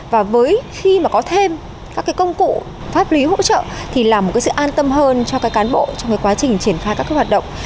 và với khi mà có thêm các công cụ pháp lý hỗ trợ thì là một sự an tâm hơn cho các cán bộ trong quá trình triển khai các hoạt động